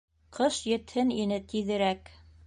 Ҡыш етһен ине тиҙерәк!..